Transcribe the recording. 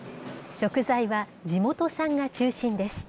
食材は地元産が中心です。